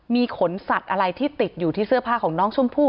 มีขนสัตว์อะไรที่ติดอยู่ที่เสื้อผ้าของน้องชมพู่